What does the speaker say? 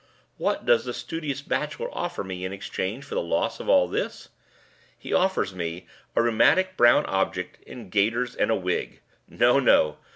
What does the studious bachelor offer me in exchange for the loss of all this? He offers me a rheumatic brown object in gaiters and a wig. No! no!